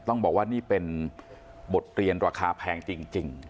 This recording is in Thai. ต้องบอกว่านี่เป็นบทเรียนราคาแพงจริง